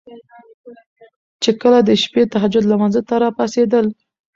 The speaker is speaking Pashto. چې کله د شپې تهجد لمانځه ته را پاڅيدل